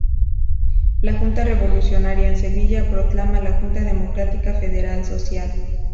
La Junta Revolucionaria en Sevilla proclama la Junta Democrática Federal Social.